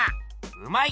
うまい！